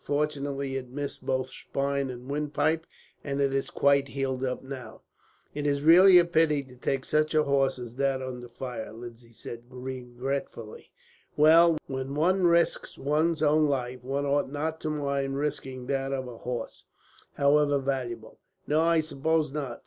Fortunately it missed both spine and windpipe, and is quite healed up now." "It is really a pity to take such a horse as that under fire," Lindsay said regretfully. "Well, when one risks one's own life, one ought not to mind risking that of a horse, however valuable." "No, I suppose not.